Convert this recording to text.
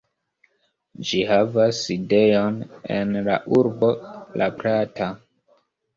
Ĝi havas sidejon en la urbo La Plata.